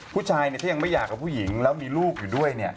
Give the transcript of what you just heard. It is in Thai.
ผู้ชายที่ยังไม่อยากกับผู้หญิงแล้วมีลูกอยู่ด้วย